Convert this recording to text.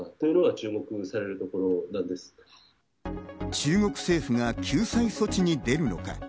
中国政府が救済措置に出るのか？